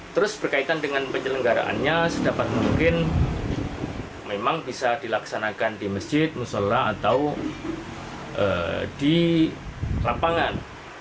terus berkaitan dengan penyelenggaraannya sedapat mungkin memang bisa dilaksanakan di masjid musola atau di lapangan